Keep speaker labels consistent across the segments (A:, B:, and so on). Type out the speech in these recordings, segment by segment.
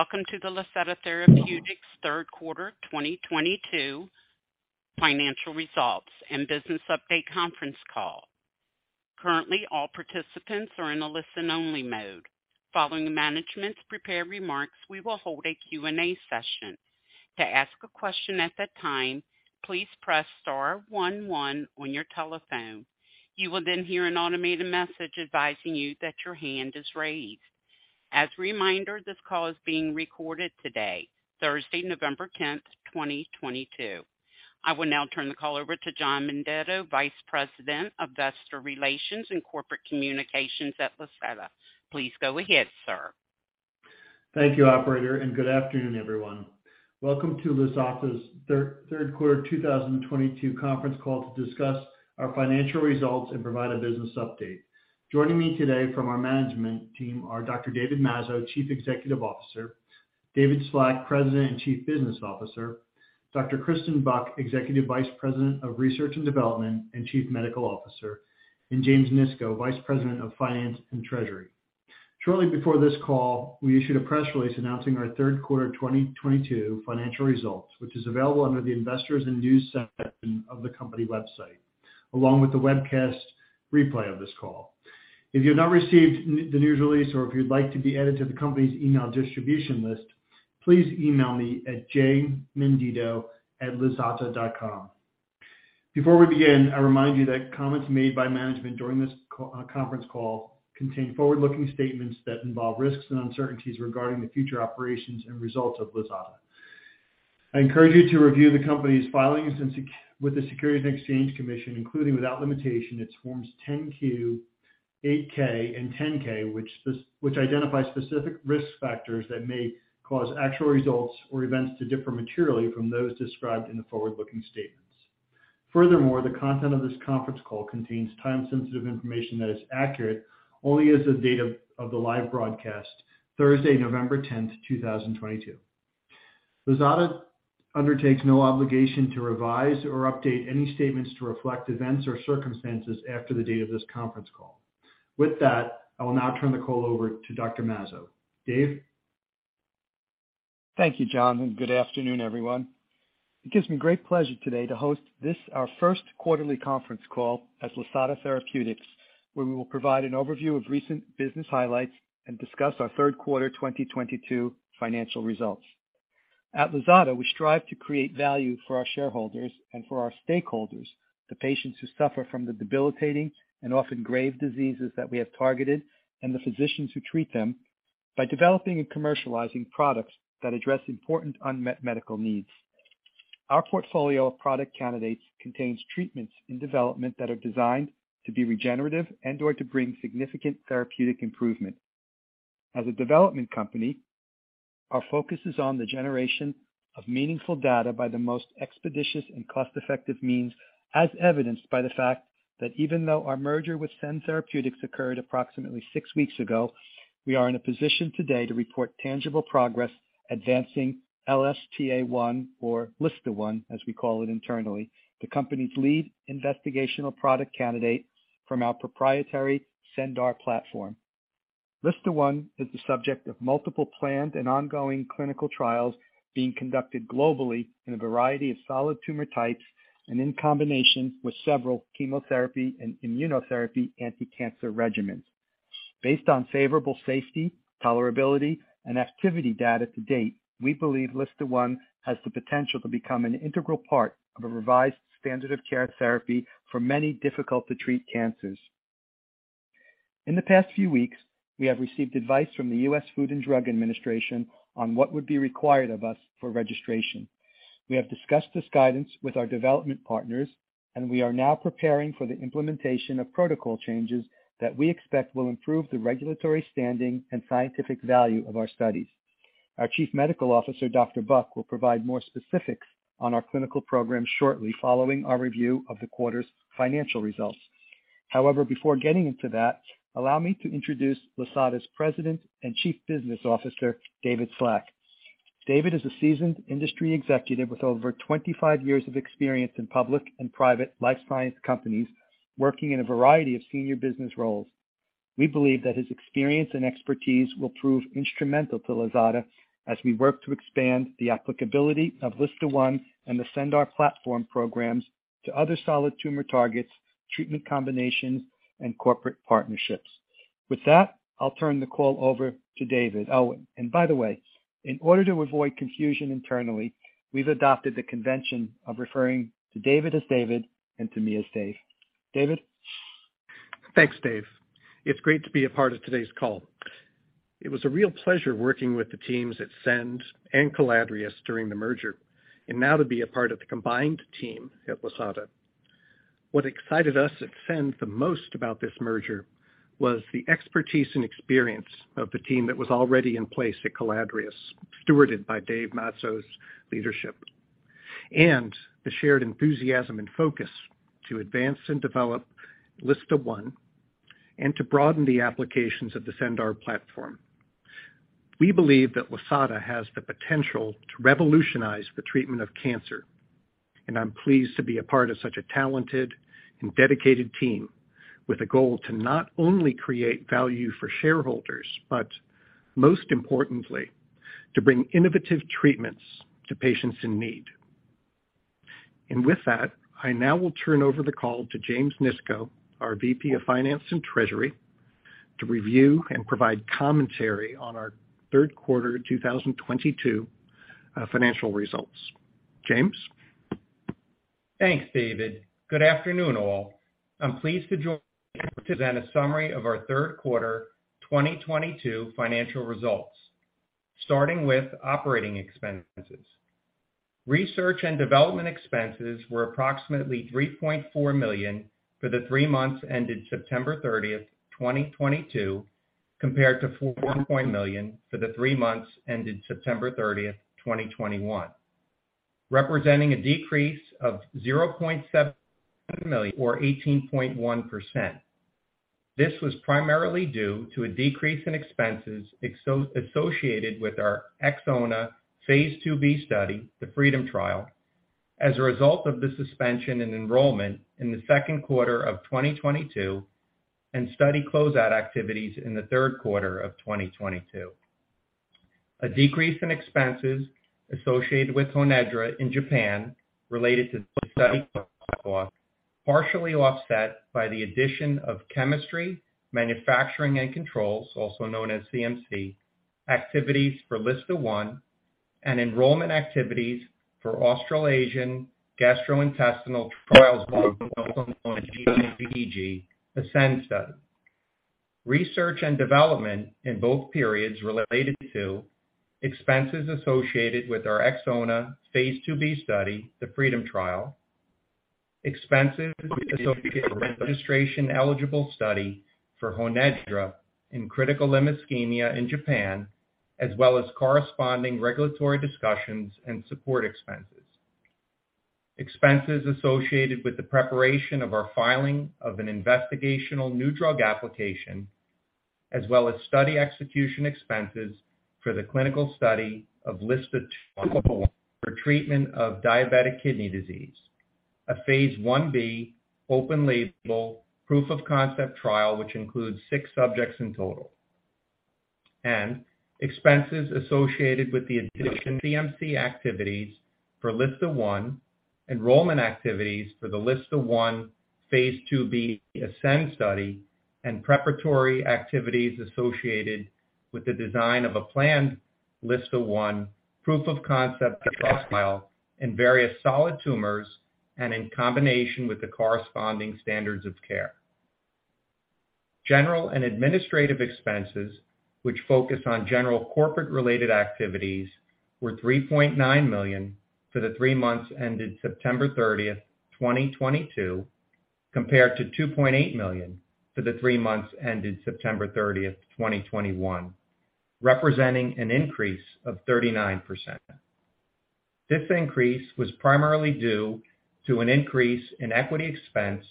A: Welcome to the Lisata Therapeutics third quarter 2022 financial results and business update conference call. Currently, all participants are in a listen-only mode. Following the management's prepared remarks, we will hold a Q&A session. To ask a question at that time, please press star one one on your telephone. You will then hear an automated message advising you that your hand is raised. As a reminder, this call is being recorded today, Thursday, November 10, 2022. I will now turn the call over to John Menditto, Vice President of Investor Relations and Corporate Communications at Lisata. Please go ahead, sir.
B: Thank you, operator, and good afternoon, everyone. Welcome to Lisata Therapeutics' third quarter 2022 conference call to discuss our financial results and provide a business update. Joining me today from our management team are Dr. David Mazzo, Chief Executive Officer, David Slack, President and Chief Business Officer, Dr. Kristen Buck, Executive Vice President of Research and Development and Chief Medical Officer, and James Nisco, Vice President of Finance and Treasury. Shortly before this call, we issued a press release announcing our third quarter 2022 financial results, which is available under the Investors and News section of the company website, along with the webcast replay of this call. If you have not received the news release or if you'd like to be added to the company's email distribution list, please email me at jmenditto@lisata.com. Before we begin, I remind you that comments made by management during this conference call contain forward-looking statements that involve risks and uncertainties regarding the future operations and results of Lisata Therapeutics. I encourage you to review the company's filings with the Securities and Exchange Commission, including without limitation its forms 10-Q, 8-K, and 10-K, which identify specific risk factors that may cause actual results or events to differ materially from those described in the forward-looking statements. Furthermore, the content of this conference call contains time-sensitive information that is accurate only as of the date of the live broadcast, Thursday, November tenth, two thousand twenty-two. Lisata Therapeutics undertakes no obligation to revise or update any statements to reflect events or circumstances after the date of this conference call. With that, I will now turn the call over to Dr. Mazzo. Dave?
C: Thank you, John, and good afternoon, everyone. It gives me great pleasure today to host this, our first quarterly conference call as Lisata Therapeutics, where we will provide an overview of recent business highlights and discuss our third quarter 2022 financial results. At Lisata, we strive to create value for our shareholders and for our stakeholders, the patients who suffer from the debilitating and often grave diseases that we have targeted, and the physicians who treat them by developing and commercializing products that address important unmet medical needs. Our portfolio of product candidates contains treatments in development that are designed to be regenerative and/or to bring significant therapeutic improvement. As a development company, our focus is on the generation of meaningful data by the most expeditious and cost-effective means, as evidenced by the fact that even though our merger with Cend Therapeutics occurred approximately six weeks ago. We are in a position today to report tangible progress advancing LSTA1, as we call it internally, the company's lead investigational product candidate from our proprietary CendR platform. LSTA1 is the subject of multiple planned and ongoing clinical trials being conducted globally in a variety of solid tumor types and in combination with several chemotherapy and immunotherapy anticancer regimens. Based on favorable safety, tolerability, and activity data to date, we believe LSTA1 has the potential to become an integral part of a revised standard of care therapy for many difficult-to-treat cancers. In the past few weeks, we have received advice from the U.S. Food and Drug Administration on what would be required of us for registration. We have discussed this guidance with our development partners, and we are now preparing for the implementation of protocol changes that we expect will improve the regulatory standing and scientific value of our studies. Our Chief Medical Officer, Dr. Buck, will provide more specifics on our clinical program shortly following our review of the quarter's financial results. However, before getting into that, allow me to introduce Lisata's President and Chief Business Officer, David Slack. David is a seasoned industry executive with over 25 years of experience in public and private life science companies working in a variety of senior business roles. We believe that his experience and expertise will prove instrumental to Lisata as we work to expand the applicability of LSTA1 and the CendR platform programs to other solid tumor targets, treatment combinations, and corporate partnerships. With that, I'll turn the call over to David. Oh, and by the way, in order to avoid confusion internally, we've adopted the convention of referring to David as David and to me as Dave. David?
D: Thanks, Dave. It's great to be a part of today's call. It was a real pleasure working with the teams at Cend and Caladrius during the merger, and now to be a part of the combined team at Lisata. What excited us at Cend the most about this merger was the expertise and experience of the team that was already in place at Caladrius, stewarded by Dave Mazzo's leadership, and the shared enthusiasm and focus to advance and develop LSTA1 and to broaden the applications of the CendR platform. We believe that Lisata has the potential to revolutionize the treatment of cancer. I'm pleased to be a part of such a talented and dedicated team with a goal to not only create value for shareholders, but most importantly, to bring innovative treatments to patients in need. With that, I now will turn over the call to James Nisco, our VP of Finance and Treasury, to review and provide commentary on our third quarter 2022 financial results. James.
E: Thanks, David. Good afternoon, all. I'm pleased to join to present a summary of our third quarter 2022 financial results. Starting with operating expenses. Research and development expenses were approximately $3.4 million for the three months ended September thirtieth, 2022, compared to $4.1 million for the three months ended September thirtieth, 2021. Representing a decrease of $0.7 million or 18.1%. This was primarily due to a decrease in expenses associated with our XOWNA phase II-B study, the FREEDOM trial, as a result of the suspension of enrollment in the second quarter of 2022, and study closeout activities in the third quarter of 2022. A decrease in expenses associated with HONEDRA in Japan related to study partially offset by the addition of chemistry, manufacturing, and controls, also known as CMC, activities for LSTA1 and enrollment activities for Australasian Gastro-Intestinal Trials Group, also known as AGITG, ASCEND study. Research and development in both periods related to expenses associated with our XOWNA phase II-B study, the FREEDOM Trial. Expenses associated with registration-eligible study for HONEDRA in critical limb ischemia in Japan, as well as corresponding regulatory discussions and support expenses. Expenses associated with the preparation of our filing of an investigational new drug application, as well as study execution expenses for the clinical study of LSTA201 for treatment of diabetic kidney disease, a phase I-B open-label proof of concept trial which includes six subjects in total. Expenses associated with the additional CMC activities for LSTA1, enrollment activities for the LSTA1 phase II-B ASCEND study, and preparatory activities associated with the design of a planned LSTA1 proof-of-concept trial in various solid tumors, and in combination with the corresponding standards of care. General and administrative expenses, which focus on general corporate-related activities, were $3.9 million for the three months ended September 30, 2022, compared to $2.8 million for the three months ended September 30, 2022, representing an increase of 39%. This increase was primarily due to an increase in equity expense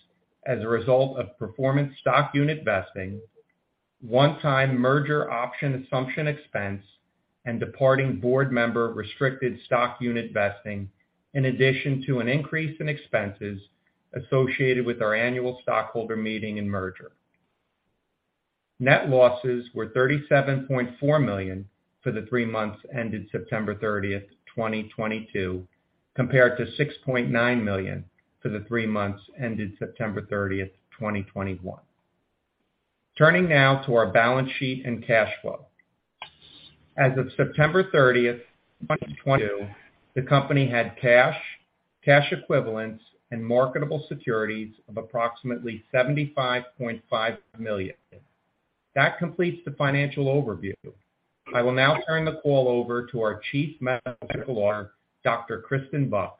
E: as a result of performance stock unit vesting, one-time merger option assumption expense, and departing board member restricted stock unit vesting, in addition to an increase in expenses associated with our annual stockholder meeting and merger. Net losses were $37.4 million for the three months ended September 30, 2022, compared to $6.9 million for the three months ended September 30, 2022. Turning now to our balance sheet and cash flow. As of September 30, 2022, the company had cash equivalents, and marketable securities of approximately $75.5 million. That completes the financial overview. I will now turn the call over to our chief medical officer, Dr. Kristen Buck,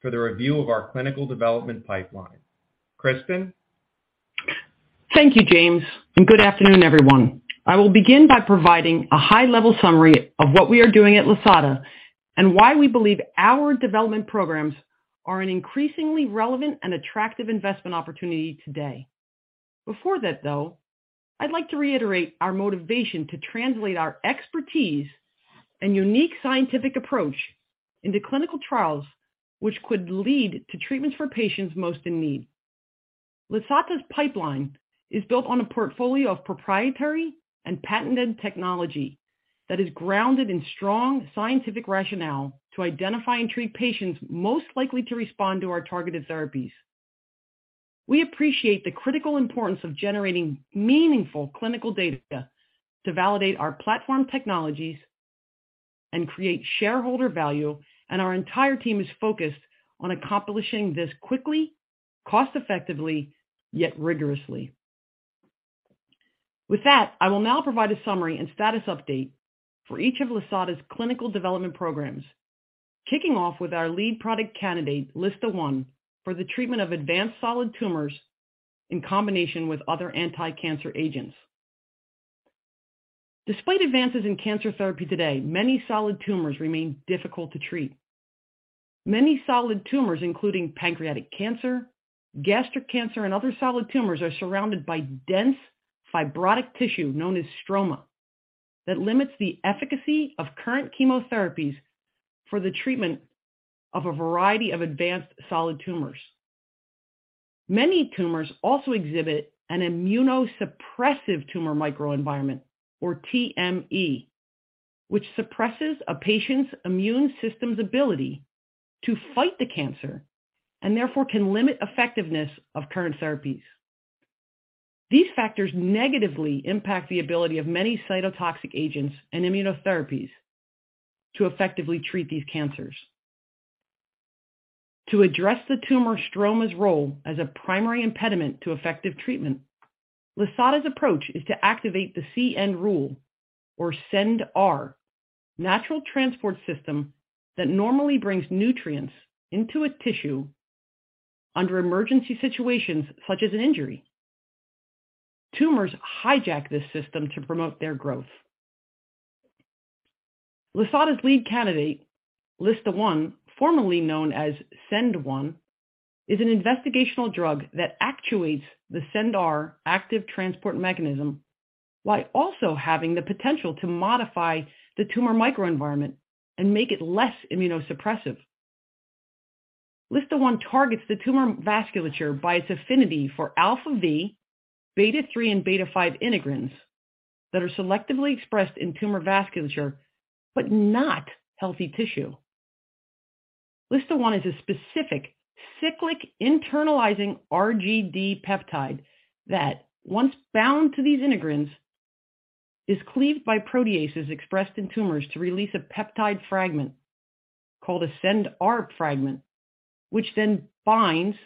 E: for the review of our clinical development pipeline. Kristen.
F: Thank you, James, and good afternoon, everyone. I will begin by providing a high-level summary of what we are doing at Lisata and why we believe our development programs are an increasingly relevant and attractive investment opportunity today. Before that, though, I'd like to reiterate our motivation to translate our expertise and unique scientific approach into clinical trials which could lead to treatments for patients most in need. Lisata's pipeline is built on a portfolio of proprietary and patented technology that is grounded in strong scientific rationale to identify and treat patients most likely to respond to our targeted therapies. We appreciate the critical importance of generating meaningful clinical data to validate our platform technologies and create shareholder value, and our entire team is focused on accomplishing this quickly, cost-effectively, yet rigorously. With that, I will now provide a summary and status update for each of Lisata's clinical development programs, kicking off with our lead product candidate, LSTA1, for the treatment of advanced solid tumors in combination with other anti-cancer agents. Despite advances in cancer therapy today, many solid tumors remain difficult to treat. Many solid tumors, including pancreatic cancer, gastric cancer, and other solid tumors are surrounded by dense fibrotic tissue known as stroma that limits the efficacy of current chemotherapies for the treatment of a variety of advanced solid tumors. Many tumors also exhibit an immunosuppressive tumor microenvironment, or TME, which suppresses a patient's immune system's ability to fight the cancer and therefore can limit effectiveness of current therapies. These factors negatively impact the ability of many cytotoxic agents and immunotherapies to effectively treat these cancers. To address the tumor stroma's role as a primary impediment to effective treatment, Lisata's approach is to activate the CendR natural transport system that normally brings nutrients into a tissue under emergency situations such as an injury. Tumors hijack this system to promote their growth. Lisata's lead candidate, LSTA1, formerly known as CEND-1, is an investigational drug that actuates the CendR active transport mechanism while also having the potential to modify the tumor microenvironment and make it less immunosuppressive. LSTA1 targets the tumor vasculature by its affinity for alpha-v, beta-3, and beta-5 integrins that are selectively expressed in tumor vasculature but not healthy tissue. LSTA1 is a specific cyclic internalizing RGD peptide that once bound to these integrins is cleaved by proteases expressed in tumors to release a peptide fragment called a CendR fragment, which then binds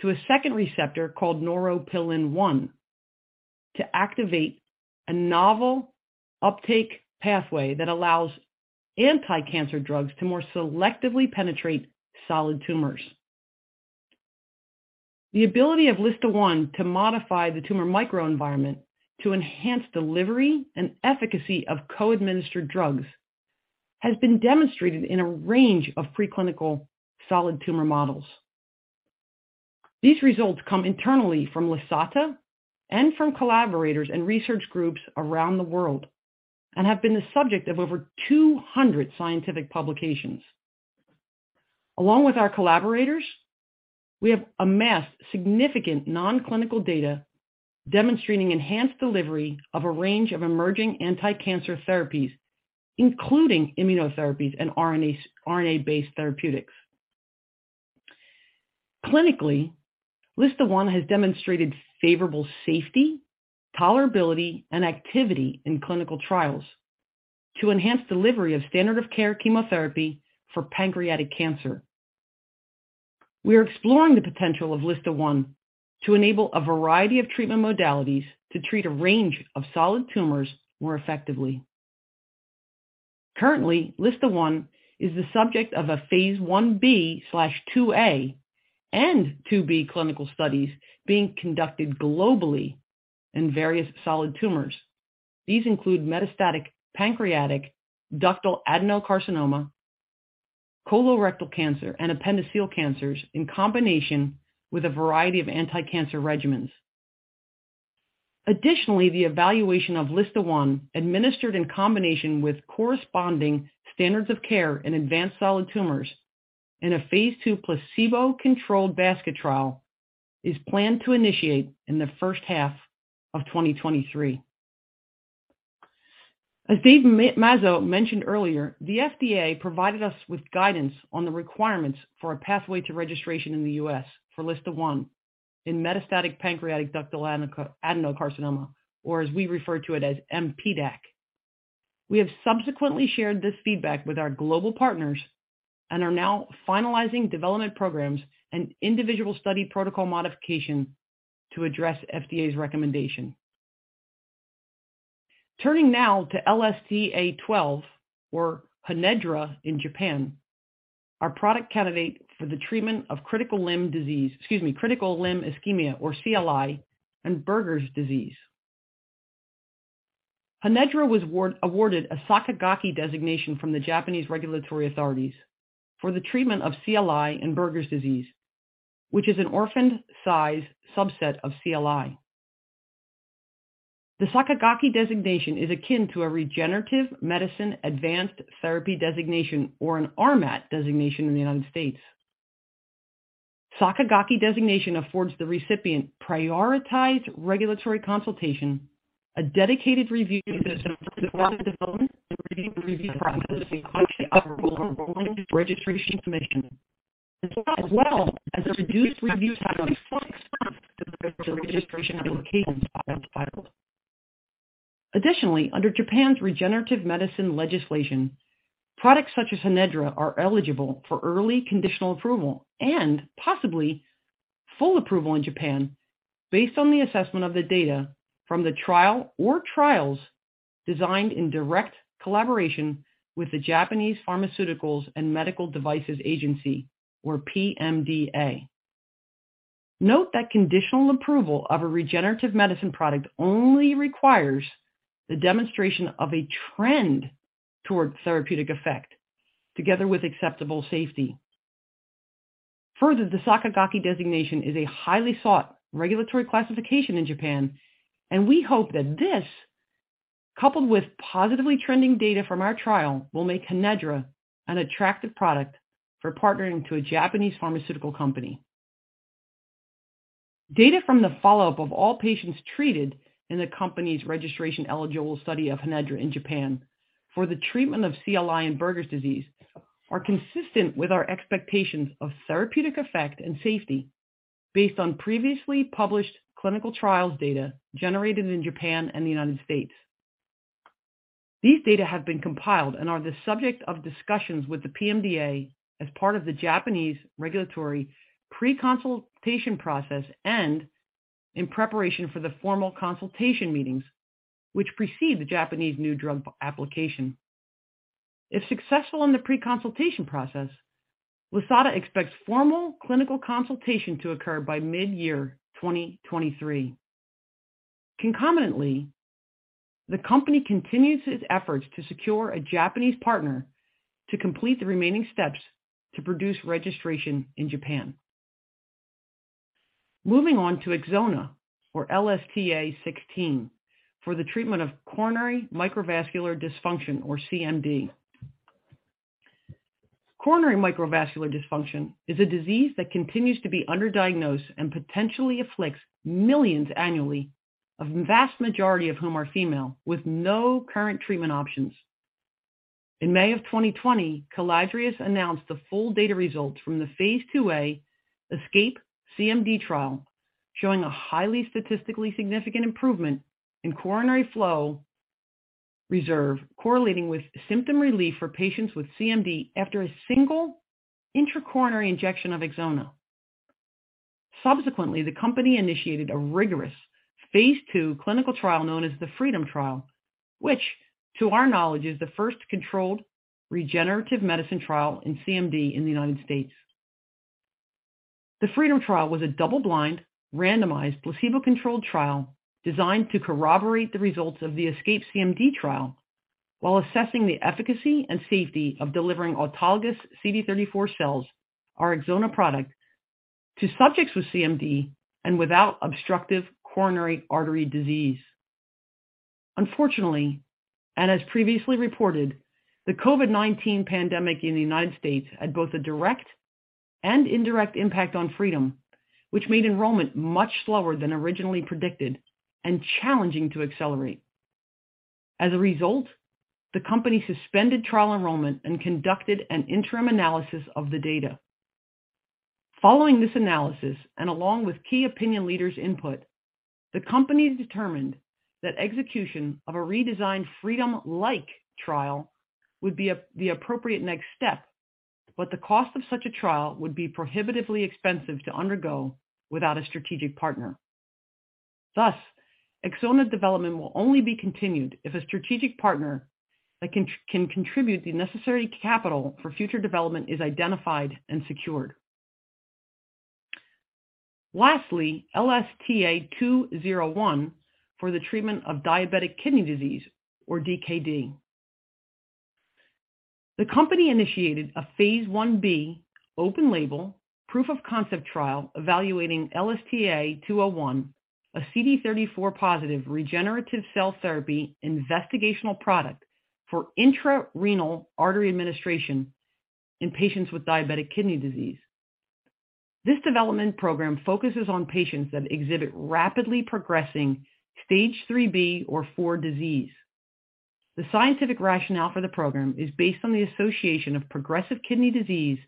F: to a second receptor called neuropilin-1 to activate a novel uptake pathway that allows anti-cancer drugs to more selectively penetrate solid tumors. The ability of LSTA1 to modify the tumor microenvironment to enhance delivery and efficacy of co-administered drugs has been demonstrated in a range of preclinical solid tumor models. These results come internally from Lisata and from collaborators and research groups around the world and have been the subject of over 200 scientific publications. Along with our collaborators, we have amassed significant non-clinical data demonstrating enhanced delivery of a range of emerging anti-cancer therapies, including immunotherapies and RNA-based therapeutics. Clinically, LSTA1 has demonstrated favorable safety, tolerability, and activity in clinical trials to enhance delivery of standard of care chemotherapy for pancreatic cancer. We are exploring the potential of LSTA1 to enable a variety of treatment modalities to treat a range of solid tumors more effectively. Currently, LSTA1 is the subject of a phase 1b2a and 2b clinical studies being conducted globally in various solid tumors. These include metastatic pancreatic ductal adenocarcinoma, colorectal cancer, and appendiceal cancers in combination with a variety of anti-cancer regimens. Additionally, the evaluation of LSTA1 administered in combination with corresponding standards of care in advanced solid tumors in a phase II placebo-controlled basket trial is planned to initiate in the first half of 2023. As Dave Mazzo mentioned earlier, the FDA provided us with guidance on the requirements for a pathway to registration in the U.S. for LSTA1 in metastatic pancreatic ductal adenocarcinoma, or as we refer to it as MPDAC. We have subsequently shared this feedback with our global partners and are now finalizing development programs and individual study protocol modifications to address FDA's recommendation. Turning now to LSTA12, or HONEDRA in Japan, our product candidate for the treatment of critical limb ischemia, or CLI, and Buerger's disease. HONEDRA was awarded a Sakigake designation from the Japanese regulatory authorities for the treatment of CLI and Buerger's disease, which is an orphan-designated subset of CLI. The Sakigake designation is akin to a Regenerative Medicine Advanced Therapy designation or an RMAT designation in the United States. Sakigake designation affords the recipient prioritized regulatory consultation, a dedicated review system for product development and review processes by the country's approval and registration commission, as well as a reduced review time of 6 months to the registration application filed. Additionally, under Japan's regenerative medicine legislation, products such as HONEDRA are eligible for early conditional approval and possibly full approval in Japan based on the assessment of the data from the trial or trials designed in direct collaboration with the Pharmaceuticals and Medical Devices Agency, or PMDA. Note that conditional approval of a regenerative medicine product only requires the demonstration of a trend toward therapeutic effect together with acceptable safety. Further, the Sakigake designation is a highly sought regulatory classification in Japan, and we hope that this, coupled with positively trending data from our trial, will make HONEDRA an attractive product for partnering to a Japanese pharmaceutical company. Data from the follow-up of all patients treated in the company's registration-eligible study of HONEDRA in Japan for the treatment of CLI and Buerger's disease are consistent with our expectations of therapeutic effect and safety based on previously published clinical trials data generated in Japan and the United States. These data have been compiled and are the subject of discussions with the PMDA as part of the Japanese regulatory pre-consultation process and in preparation for the formal consultation meetings, which precede the Japanese new drug application. If successful in the pre-consultation process, Lisata expects formal clinical consultation to occur by mid-year 2023. Concomitantly, the company continues its efforts to secure a Japanese partner to complete the remaining steps to produce registration in Japan. Moving on to XOWNA or LSTA16 for the treatment of coronary microvascular dysfunction or CMD. Coronary microvascular dysfunction is a disease that continues to be underdiagnosed and potentially afflicts millions annually, a vast majority of whom are female with no current treatment options. In May of 2020, Caladrius announced the full data results from the phase II-A ESCaPE-CMD trial, showing a highly statistically significant improvement in coronary flow reserve correlating with symptom relief for patients with CMD after a single intracoronary injection of XOWNA. Subsequently, the company initiated a rigorous phase II clinical trial known as the FREEDOM trial, which to our knowledge is the first controlled regenerative medicine trial in CMD in the United States. The FREEDOM trial was a double-blind, randomized, placebo-controlled trial designed to corroborate the results of the ESCaPE-CMD trial while assessing the efficacy and safety of delivering autologous CD34 cells, our XOWNA product, to subjects with CMD and without obstructive coronary artery disease. Unfortunately, as previously reported, the COVID-19 pandemic in the United States had both a direct and indirect impact on FREEDOM, which made enrollment much slower than originally predicted and challenging to accelerate. As a result, the company suspended trial enrollment and conducted an interim analysis of the data. Following this analysis, and along with key opinion leaders' input, the company determined that execution of a redesigned FREEDOM-like trial would be the appropriate next step, but the cost of such a trial would be prohibitively expensive to undergo without a strategic partner. Thus, XOWNA development will only be continued if a strategic partner that can contribute the necessary capital for future development is identified and secured. Lastly, LSTA201 for the treatment of diabetic kidney disease or DKD. The company initiated a phase I-B open label proof of concept trial evaluating LSTA201, a CD34-positive regenerative cell therapy investigational product for intra-renal artery administration in patients with diabetic kidney disease. This development program focuses on patients that exhibit rapidly progressing stage 3b or 4 disease. The scientific rationale for the program is based on the association of progressive kidney disease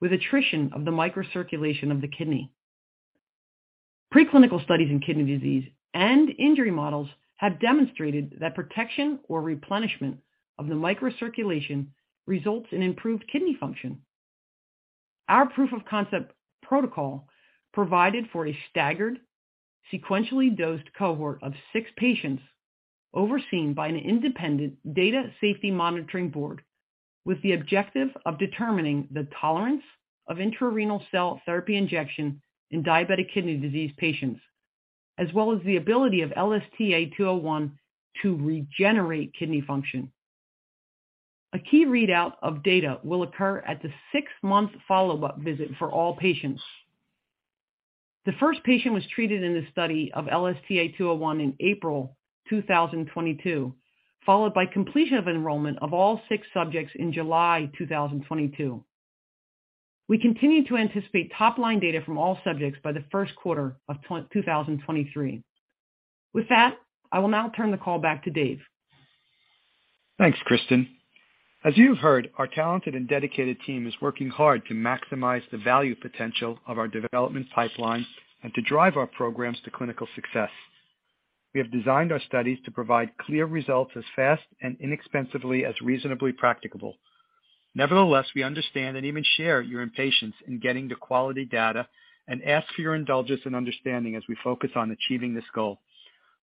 F: with attrition of the microcirculation of the kidney. Preclinical studies in kidney disease and injury models have demonstrated that protection or replenishment of the microcirculation results in improved kidney function. Our proof of concept protocol provided for a staggered, sequentially dosed cohort of six patients overseen by an independent data safety monitoring board with the objective of determining the tolerance of intra-renal cell therapy injection in diabetic kidney disease patients, as well as the ability of LSTA201 to regenerate kidney function. A key readout of data will occur at the six-month follow-up visit for all patients. The first patient was treated in the study of LSTA201 in April 2022, followed by completion of enrollment of all six subjects in July 2022. We continue to anticipate top-line data from all subjects by the first quarter of 2023. With that, I will now turn the call back to Dave.
C: Thanks, Kristen. As you've heard, our talented and dedicated team is working hard to maximize the value potential of our development pipeline and to drive our programs to clinical success. We have designed our studies to provide clear results as fast and inexpensively as reasonably practicable. Nevertheless, we understand and even share your impatience in getting the quality data and ask for your indulgence and understanding as we focus on achieving this goal.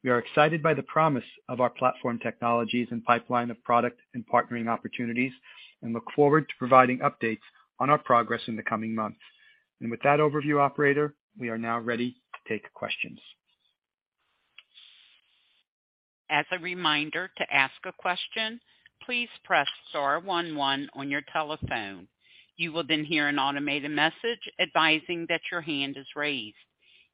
C: We are excited by the promise of our platform technologies and pipeline of product and partnering opportunities, and look forward to providing updates on our progress in the coming months. With that overview, operator, we are now ready to take questions.
A: As a reminder, to ask a question, please press star one one on your telephone. You will then hear an automated message advising that your hand is raised.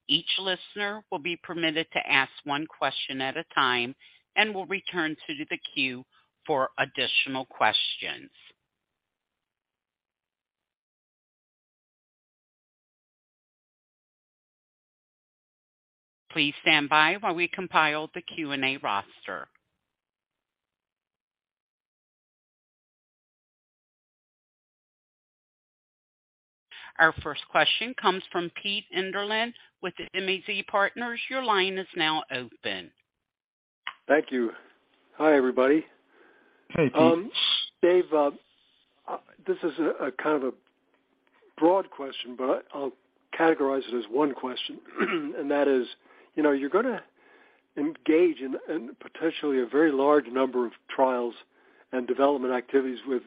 A: Each listener will be permitted to ask one question at a time and will return to the queue for additional questions. Please stand by while we compile the Q&A roster. Our first question comes from Peter Enderlin with the MAZ Partners. Your line is now open.
G: Thank you. Hi, everybody.
C: Hey, Pete.
G: Dave, this is a kind of a broad question, but I'll categorize it as one question. That is, you know, you're gonna engage in potentially a very large number of trials and development activities with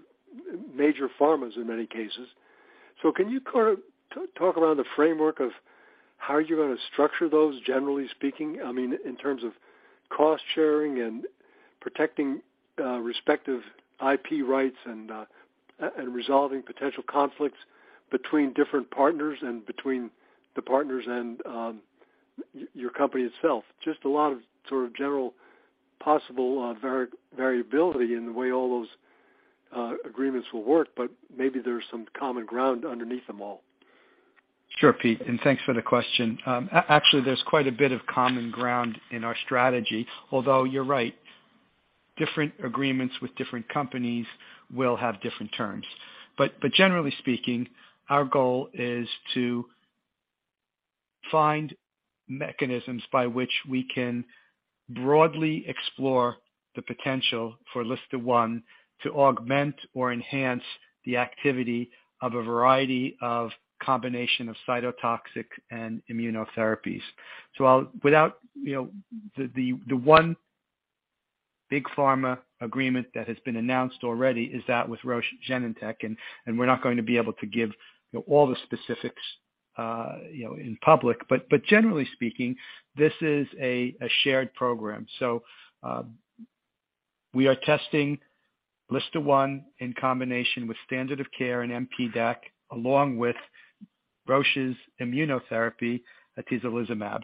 G: major pharmas in many cases. So can you kinda talk around the framework of how you're gonna structure those, generally speaking? I mean, in terms of cost sharing and protecting respective IP rights and resolving potential conflicts between different partners and between the partners and your company itself. Just a lot of sort of general possible variability in the way all those agreements will work, but maybe there's some common ground underneath them all.
C: Sure, Pete, and thanks for the question. Actually, there's quite a bit of common ground in our strategy, although you're right. Different agreements with different companies will have different terms. But generally speaking, our goal is to find mechanisms by which we can broadly explore the potential for LSTA1 to augment or enhance the activity of a variety of combinations of cytotoxic and immunotherapies. Without you know, the one big pharma agreement that has been announced already is that with Roche Genentech. We're not going to be able to give you know, all the specifics you know, in public. Generally speaking, this is a shared program. We are testing LSTA1 in combination with standard of care and MPDAC, along with Roche's immunotherapy, atezolizumab.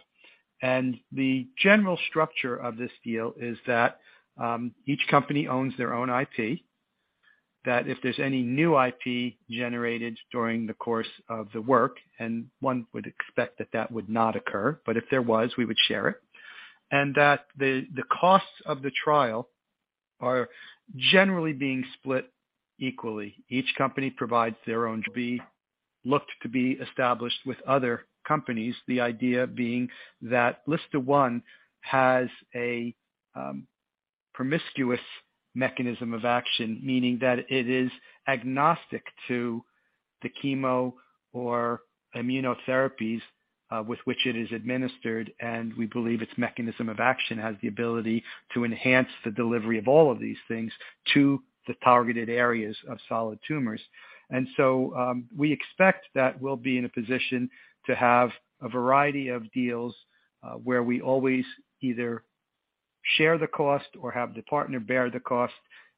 C: The general structure of this deal is that each company owns their own IP. That if there's any new IP generated during the course of the work, and one would expect that it would not occur, but if there was, we would share it. That the costs of the trial are generally being split equally. Each company provides their own CMC to be established with other companies. The idea being that LSTA1 has a promiscuous mechanism of action, meaning that it is agnostic to the chemo or immunotherapies with which it is administered, and we believe its mechanism of action has the ability to enhance the delivery of all of these things to the targeted areas of solid tumors. We expect that we'll be in a position to have a variety of deals, where we always either share the cost or have the partner bear the cost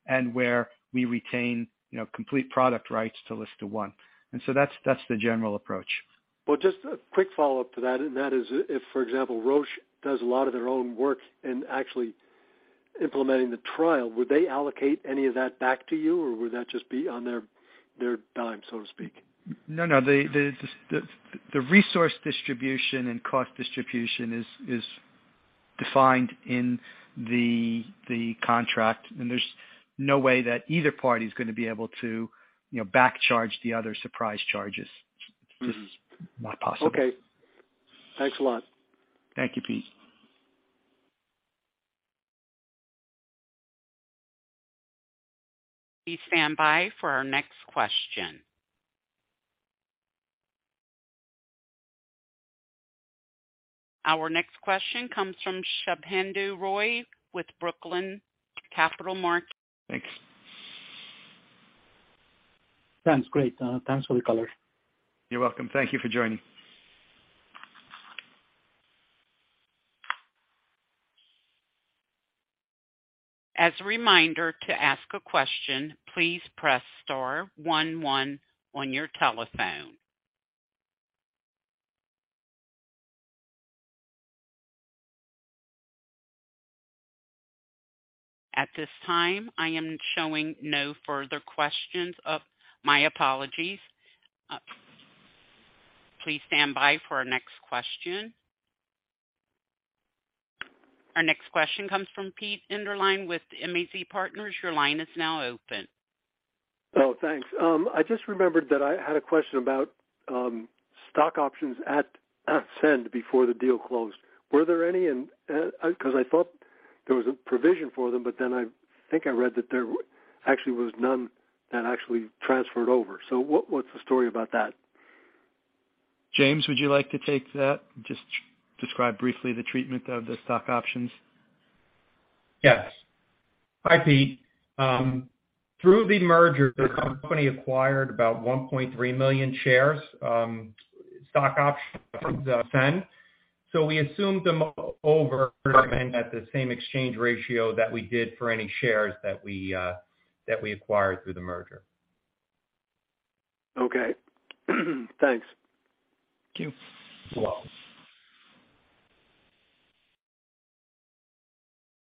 C: and where we retain, you know, complete product rights to LSTA1. That's the general approach.
G: Well, just a quick follow-up to that, and that is if, for example, Roche does a lot of their own work in actually implementing the trial, would they allocate any of that back to you, or would that just be on their dime, so to speak?
C: No, no. The resource distribution and cost distribution is defined in the contract, and there's no way that either party is gonna be able to, you know, back charge the other surprise charges.
G: Mm-hmm.
C: Just not possible.
G: Okay. Thanks a lot.
C: Thank you, Pete.
A: Please stand by for our next question. Our next question comes from Swayampakula Ramakanth with Brookline Capital Markets.
C: Thanks.
H: Sounds great. Thanks for the color.
C: You're welcome. Thank you for joining.
A: As a reminder, to ask a question, please press star one one on your telephone. At this time, I am showing no further questions. My apologies. Please stand by for our next question. Our next question comes from Peter Enderlin with MAZ Partners. Your line is now open.
G: Oh, thanks. I just remembered that I had a question about stock options at Cend before the deal closed. Were there any? 'Cause I thought there was a provision for them, but then I think I read that there actually was none that actually transferred over. What's the story about that?
C: James, would you like to take that? Just describe briefly the treatment of the stock options.
E: Yes. Hi, Pete. Through the merger, the company acquired about 1.3 million shares, stock options Cend. We assumed them over at the same exchange ratio that we did for any shares that we acquired through the merger.
G: Okay. Thanks.
C: Thank you.
E: You're welcome.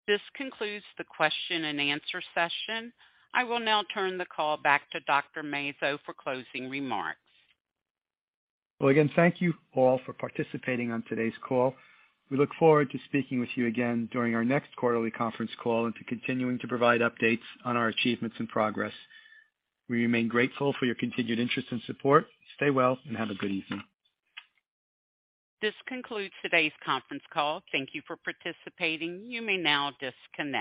A: This concludes the question and answer session. I will now turn the call back to Dr. Mazzo for closing remarks.
C: Well, again, thank you all for participating on today's call. We look forward to speaking with you again during our next quarterly conference call and to continuing to provide updates on our achievements and progress. We remain grateful for your continued interest and support. Stay well and have a good evening.
A: This concludes today's conference call. Thank you for participating. You may now disconnect.